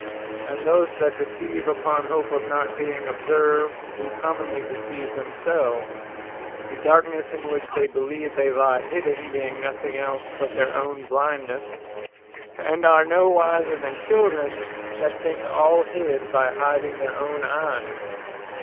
And those that deceive upon hope of not being observed, do commonly deceive themselves, (the darknesse in which they believe they lye hidden, being nothing else but their own blindnesse;) and are no wiser than Children, that think all hid, by hiding their own eyes.